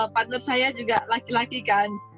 partner saya juga laki laki kan